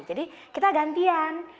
jadi kita gantian